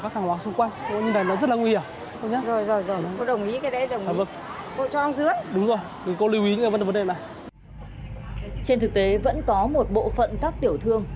trên thực tế vẫn có một bộ phận các tiểu thương